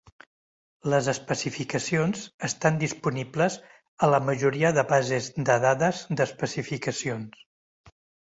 Les especificacions estan disponibles a la majoria de bases de dades d'especificacions.